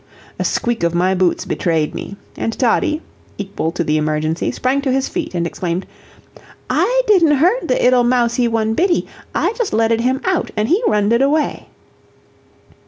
A squeak of my boots betrayed me, and Toddie, equal to the emergency, sprang to his feet and exclaimed: "I didn't hurt de 'ittle mousie one bittie; I just letted him out, and he runded away."